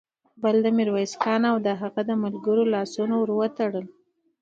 بل د ميرويس خان او د هغه د ملګرو لاسونه ور وتړل.